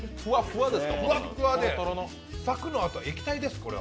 ふわっふわでサクのあと、液体です。